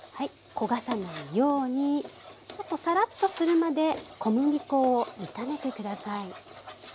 焦がさないようにちょっとサラッとするまで小麦粉を炒めて下さい。